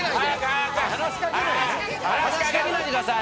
話し掛けないでください。